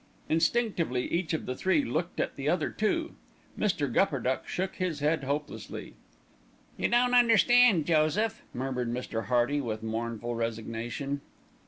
Instinctively each of the three looked at the other two. Mr. Gupperduck shook his head hopelessly. "You don't understand, Joseph," murmured Mr. Hearty with mournful resignation.